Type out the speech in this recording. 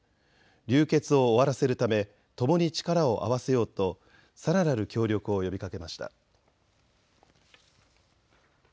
流血を終わらせるためともに力を合わせようとさらなる協力を呼びかけました。